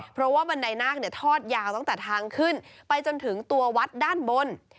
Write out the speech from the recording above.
เพราะว่าบันไดนาคทอดยาวตั้งแต่ทางขึ้นไปจนถึงตัววัดด้านบน